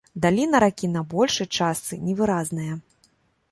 Даліна ракі на большай частцы невыразная.